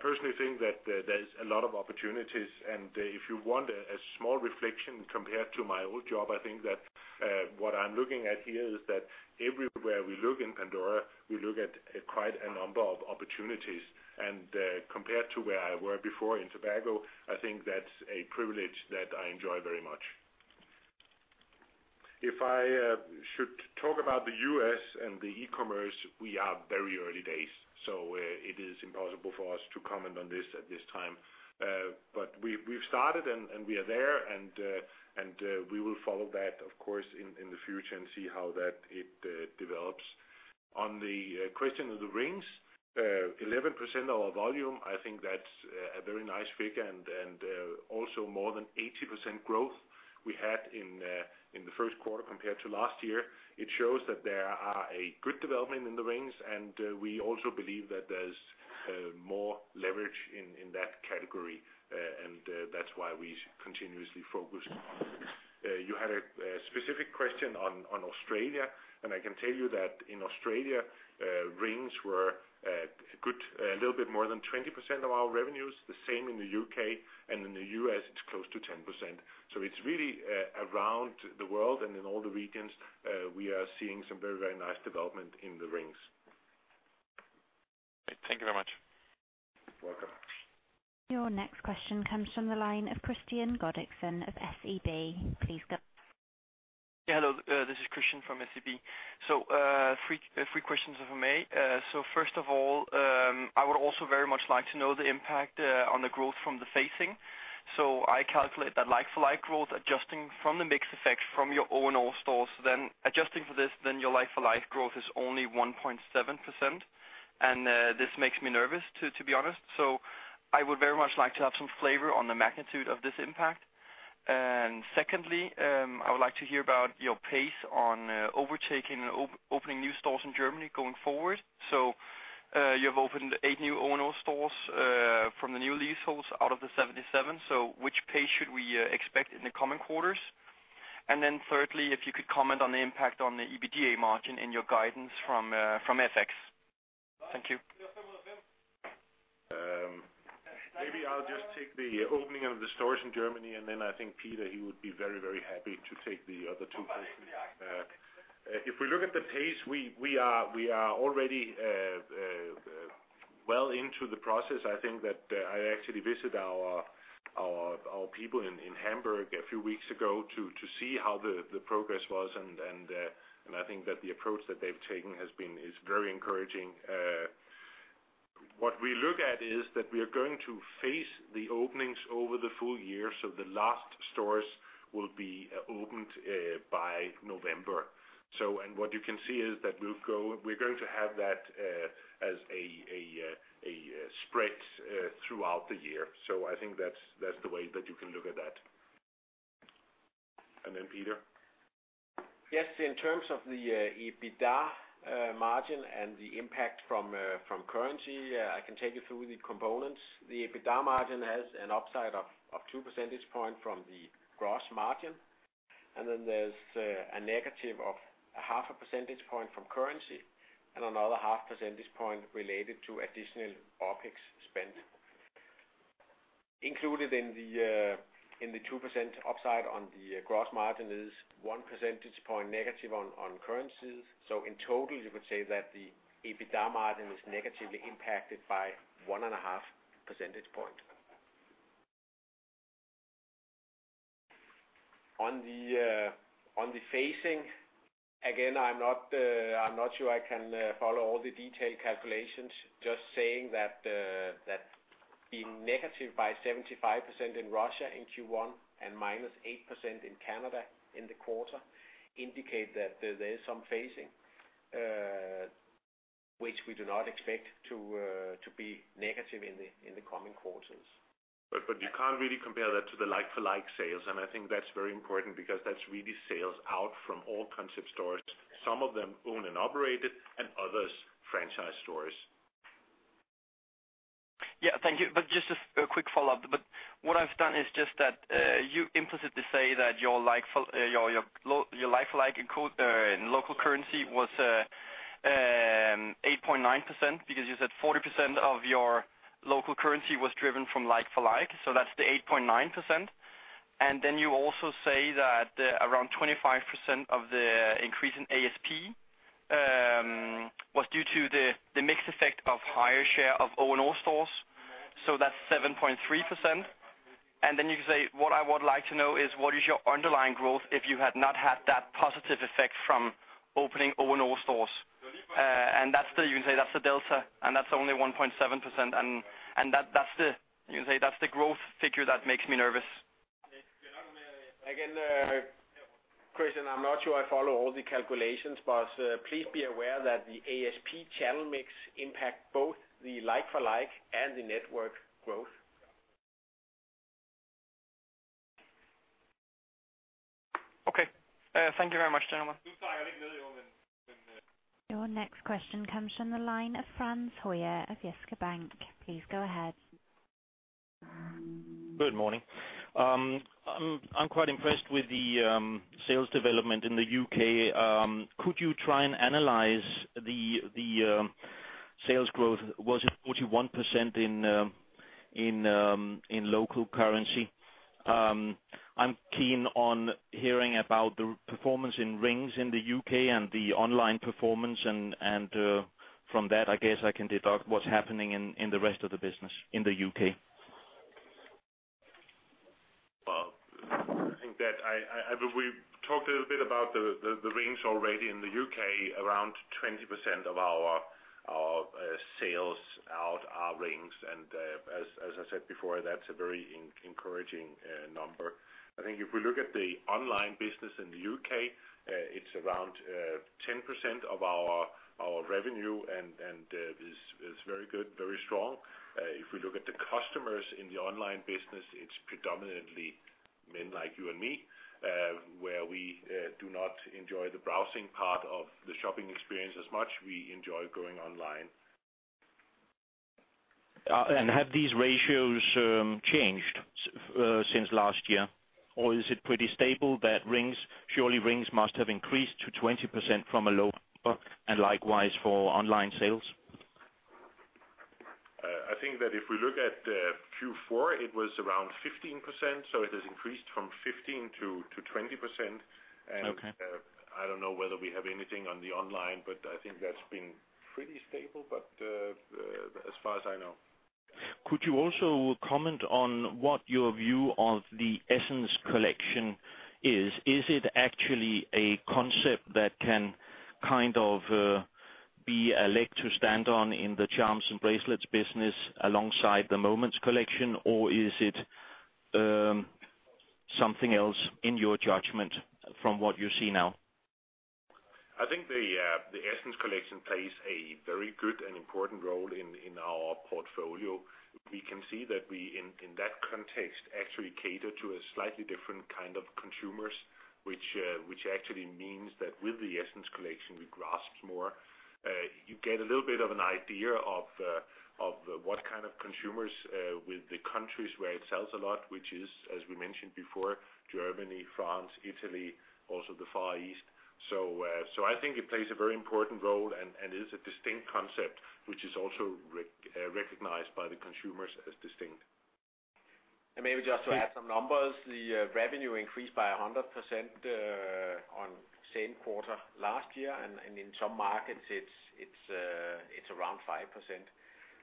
Speaker 3: personally think that there, there's a lot of opportunities, and if you want a small reflection compared to my old job, I think that what I'm looking at here is that everywhere we look in Pandora, we look at quite a number of opportunities. And compared to where I were before in Scandinavian Tobacco Group, I think that's a privilege that I enjoy very much. If I should talk about the US and the e-commerce, we are very early days, so it is impossible for us to comment on this at this time. But we've started, and we are there, and we will follow that, of course, in the future and see how that it develops. On the question of the rings, 11% of our volume, I think that's a very nice figure, and also more than 80% growth we had in the first quarter compared to last year. It shows that there are a good development in the rings, and we also believe that there's more leverage in that category, and that's why we continuously focus. You had a specific question on Australia, and I can tell you that in Australia, rings were good, a little bit more than 20% of our revenues, the same in the UK, and in the US, it's close to 10%. So it's really around the world and in all the regions, we are seeing some very, very nice development in the rings.
Speaker 8: Thank you very much.
Speaker 3: Welcome.
Speaker 1: Your next question comes from the line of Kristian Godiksen of SEB. Please go.
Speaker 9: Yeah, hello, this is Kristian from SEB. So, three questions, if I may. So first of all, I would also very much like to know the impact on the growth from the phasing. So I calculate that like-for-like growth, adjusting from the mix effect from your O&O stores, then adjusting for this, then your like-for-like growth is only 1.7%. And this makes me nervous, to be honest. So I would very much like to have some flavor on the magnitude of this impact. And secondly, I would like to hear about your pace on overtaking and opening new stores in Germany going forward. So, you have opened 8 new O&O stores from the new leaseholds out of the 77, so which pace should we expect in the coming quarters? And then thirdly, if you could comment on the impact on the EBITDA margin in your guidance from FX? Thank you.
Speaker 3: Maybe I'll just take the opening of the stores in Germany, and then I think Peter, he would be very, very happy to take the other two questions. If we look at the pace, we are already well into the process. I think that I actually visit our people in Hamburg a few weeks ago to see how the progress was, and I think that the approach that they've taken has been, is very encouraging. What we look at is that we are going to phase the openings over the full year, so the last stores will be opened by November. And what you can see is that we're going to have that as a spread throughout the year. I think that's, that's the way that you can look at that. Then Peter?
Speaker 4: Yes, in terms of the EBITDA margin and the impact from currency, I can take you through the components. The EBITDA margin has an upside of 2 percentage point from the gross margin, and then there's a negative of half a percentage point from currency and another half percentage point related to additional OpEx spend. Included in the 2% upside on the gross margin is 1 percentage point negative on currencies. So in total, you could say that the EBITDA margin is negatively impacted by 1.5 percentage point. On the phasing, again, I'm not sure I can follow all the detailed calculations, just saying that being negative by 75% in Russia in Q1 and -8% in Canada in the quarter indicate that there is some phasing, which we do not expect to be negative in the coming quarters.
Speaker 3: But you can't really compare that to the like-for-like sales, and I think that's very important because that's really Sales Out from all Concept Stores, some of them Owned and Operated, and others, Franchise Stores.
Speaker 9: Yeah, thank you. But just a quick follow-up. What I've done is just that, you implicitly say that your like-for-like in local currency was 8.9%, because you said 40% of your local currency was driven from like-for-like, so that's the 8.9%. And then you also say that, around 25% of the increase in ASP was due to the mix effect of higher share of O&O stores. So that's 7.3%. And then you say, what I would like to know is what is your underlying growth, if you had not had that positive effect from opening O&O stores? And that's the, you can say, that's the delta, and that's only 1.7%, and, and that, that's the, you can say, that's the growth figure that makes me nervous.
Speaker 4: Again, Kristian, I'm not sure I follow all the calculations, but please be aware that the ASP channel mix impact both the like-for-like and the network growth.
Speaker 9: Okay, thank you very much, gentlemen.
Speaker 1: Your next question comes from the line of Frans Hoyer of Jyske Bank. Please go ahead.
Speaker 10: Good morning. I'm quite impressed with the sales development in the UK. Could you try and analyze the sales growth? Was it 41% in local currency? I'm keen on hearing about the performance in rings in the UK and the online performance, and from that, I guess I can deduct what's happening in the rest of the business in the UK.
Speaker 3: Well, I think that I, we talked a little bit about the rings already in the UK. Around 20% of our sales out are rings, and as I said before, that's a very encouraging number. I think if we look at the online business in the UK, it's around 10% of our revenue, and is very good, very strong. If we look at the customers in the online business, it's predominantly men like you and me, where we do not enjoy the browsing part of the shopping experience as much. We enjoy going online.
Speaker 10: Have these ratios changed since last year? Or is it pretty stable that rings... Surely, rings must have increased to 20% from a low, and likewise for online sales.
Speaker 3: I think that if we look at Q4, it was around 15%, so it has increased from 15% to 20%.
Speaker 10: Okay.
Speaker 3: I don't know whether we have anything on the online, but I think that's been pretty stable, but as far as I know.
Speaker 10: Could you also comment on what your view of the Essence collection is? Is it actually a concept that can kind of be a leg to stand on in the charms and bracelets business alongside the Moments Collection? Or is it something else in your judgment from what you see now?
Speaker 3: I think the, the Essence collection plays a very good and important role in, in our portfolio. We can see that we, in, in that context, actually cater to a slightly different kind of consumers, which, which actually means that with the Essence collection, we grasp more. You get a little bit of an idea of, of what kind of consumers, with the countries where it sells a lot, which is, as we mentioned before, Germany, France, Italy, also the Far East. So, so I think it plays a very important role and, and is a distinct concept, which is also recognized by the consumers as distinct.
Speaker 4: Maybe just to add some numbers, the revenue increased by 100% on same quarter last year, and in some markets, it's around 5%.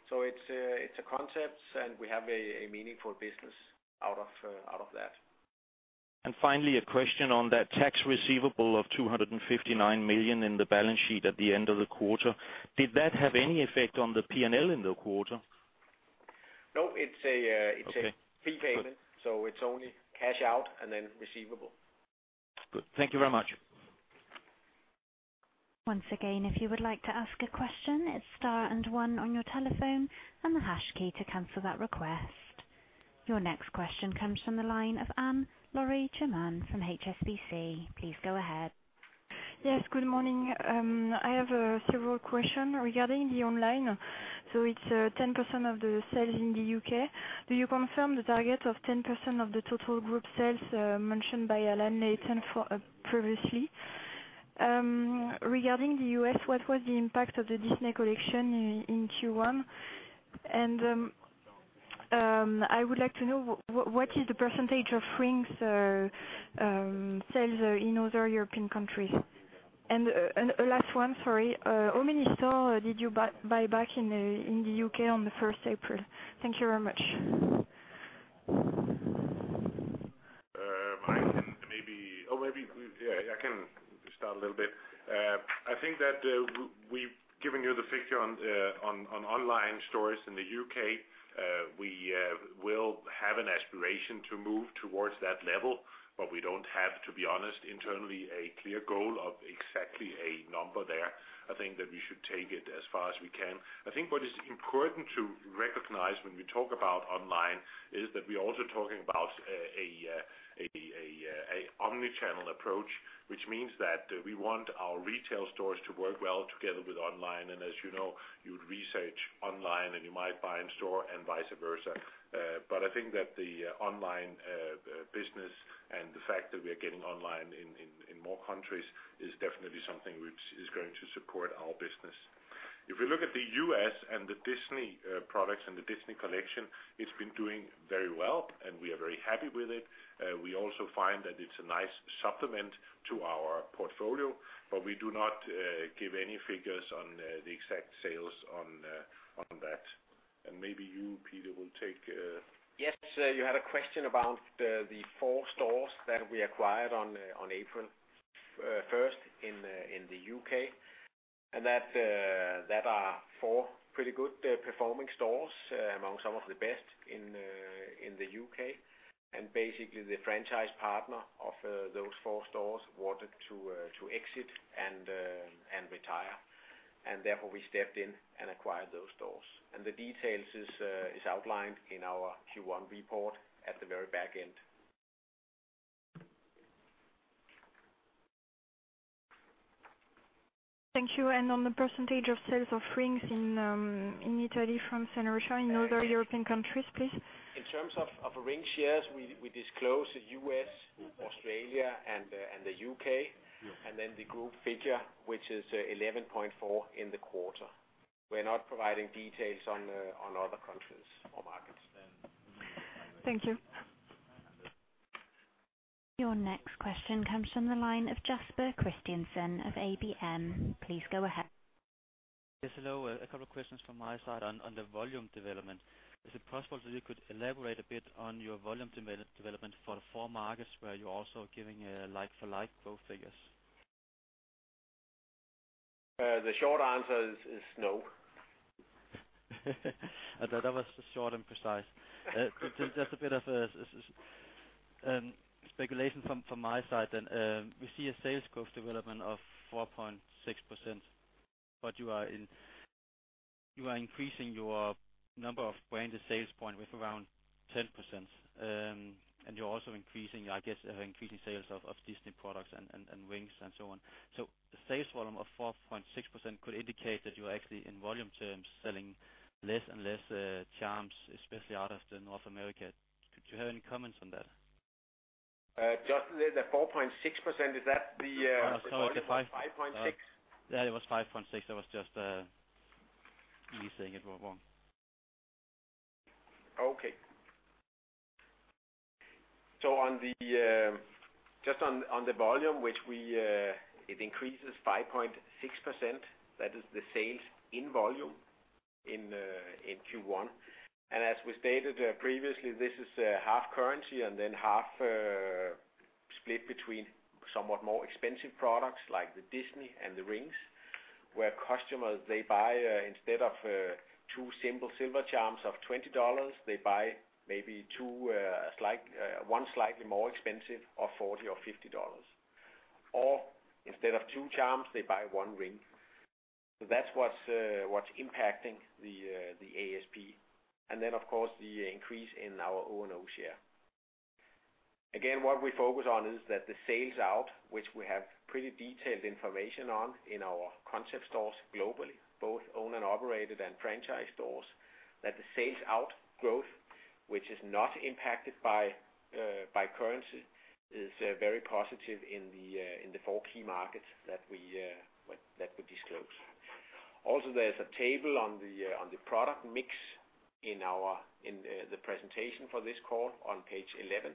Speaker 4: So it's a concept, and we have a meaningful business out of that.
Speaker 10: And finally, a question on that tax receivable of 259 million in the balance sheet at the end of the quarter. Did that have any effect on the P&L in the quarter?
Speaker 4: No, it's a-
Speaker 10: Okay.
Speaker 4: Prepayment, so it's only cash out and then receivable.
Speaker 10: Good. Thank you very much.
Speaker 1: Once again, if you would like to ask a question, it's star and one on your telephone and the hash key to cancel that request. Your next question comes from the line of Anne-Laure Bismuth from HSBC. Please go ahead.
Speaker 11: Yes, good morning. I have several question regarding the online. So it's 10% of the sales in the U.K. Do you confirm the target of 10% of the total group sales, mentioned by Allan Leighton for previously? Regarding the U.S., what was the impact of the Disney Collection in Q1? And I would like to know what is the percentage of rings sales in other European countries? And a last one, sorry. How many store did you buy back in the U.K. on the first April? Thank you very much.
Speaker 3: I can maybe... Oh, maybe, yeah, I can start a little bit. I think that, we've given you the figure on, on online stores in the UK. We will have an aspiration to move towards that level, but we don't have, to be honest, internally, a clear goal of exactly a number there. I think that we should take it as far as we can. I think what is important to recognize when we talk about online is that we're also talking about a omni-channel approach, which means that we want our retail stores to work well together with online. And as you know, you'd research online, and you might buy in store and vice versa. But I think that the online business and the fact that we are getting online in more countries, which is going to support our business. If we look at the US and the Disney products and the Disney Collection, it's been doing very well, and we are very happy with it. We also find that it's a nice supplement to our portfolio, but we do not give any figures on the exact sales on that. And maybe you, Peter, will take
Speaker 4: Yes, you had a question about the four stores that we acquired on April first in the UK, and that are four pretty good performing stores, among some of the best in the UK. And basically, the franchise partner of those four stores wanted to exit and retire, and therefore, we stepped in and acquired those stores. And the details is outlined in our Q1 report at the very back end.
Speaker 11: Thank you, and on the percentage of sales of rings in, in Italy, France, in other European countries, please?
Speaker 4: In terms of ring shares, we disclose the U.S., Australia, and the U.K., and then the group figure, which is 11.4 in the quarter. We're not providing details on other countries or markets.
Speaker 11: Thank you.
Speaker 1: Your next question comes from the line of Jesper Christensen of Alm. Brand Markets. Please go ahead.
Speaker 12: Yes, hello. A couple of questions from my side on the volume development. Is it possible that you could elaborate a bit on your volume development for the four markets, where you're also giving a like-for-like growth figures?
Speaker 4: The short answer is no.
Speaker 12: That was short and precise. Just a bit of speculation from my side then. We see a sales growth development of 4.6%, but you are increasing your number of branded sales point with around 10%, and you're also increasing, I guess, sales of Disney products and rings and so on. So sales volume of 4.6% could indicate that you are actually, in volume terms, selling less and less charms, especially out of North America. Could you have any comments on that?
Speaker 4: Just the 4.6%, is that the-
Speaker 12: Sorry, it was 5.6.
Speaker 4: 5.6.
Speaker 12: Yeah, it was 5.6. I was just me saying it wrong.
Speaker 4: Okay. So on the, just on, on the volume, which we, it increases 5.6%. That is the sales in volume in, in Q1. And as we stated, previously, this is, half currency and then half, split between somewhat more expensive products like the Disney and the rings, where customers, they buy, instead of, 2 simple silver charms of $20, they buy maybe 2, slight, one slightly more expensive, of $40 or $50. Or instead of 2 charms, they buy one ring. So that's what's, what's impacting the, the ASP, and then, of course, the increase in our O&O share. Again, what we focus on is that the sales out, which we have pretty detailed information on in our concept stores globally, both owned and operated, and franchise stores, that the sales out growth, which is not impacted by, by currency, is very positive in the, in the 4 key markets that we, that we disclose. Also, there's a table on the, on the product mix in our, in the presentation for this call on page 11,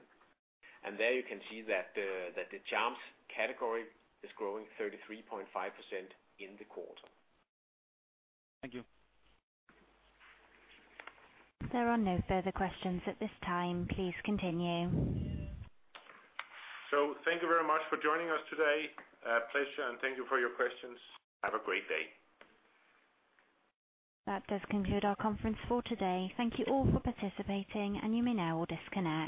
Speaker 4: and there you can see that the, that the charms category is growing 33.5% in the quarter.
Speaker 12: Thank you.
Speaker 1: There are no further questions at this time. Please continue.
Speaker 3: Thank you very much for joining us today. A pleasure, and thank you for your questions. Have a great day.
Speaker 1: That does conclude our conference for today. Thank you all for participating, and you may now disconnect.